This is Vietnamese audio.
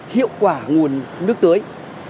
hiệu quả nguồn nước tưới